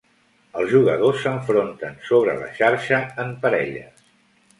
Els jugadors s'enfronten sobre la xarxa en parelles.